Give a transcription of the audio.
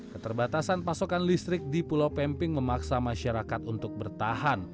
keterbatasan pasokan listrik di pulau pemping memaksa masyarakat untuk bertahan